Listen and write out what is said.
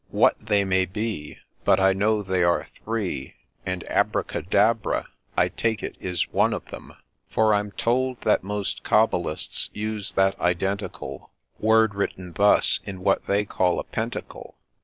DUNSTAN 137 What they may be, But I know they are three, And ABRACADABRA, I take it, is one of them : For I'm told that most Cabalists use that identical Word, written thus, in what they call ' a Pentacle.'